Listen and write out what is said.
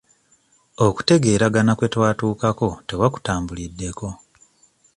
Okutegeeragana kwe twatuukako tewakutambuliddeko.